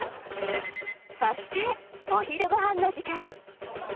そして、お昼ごはんの時間。